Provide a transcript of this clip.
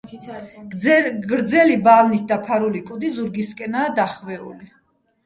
გრძელი ბალნით დაფარული კუდი ზურგისკენაა დახვეული.